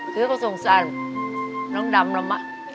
เขาก็สงสัยน้องดำมาก